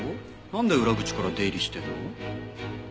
なんで裏口から出入りしてんの？